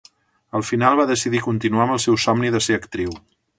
Al final, va decidir continuar amb el seu somni de ser actriu.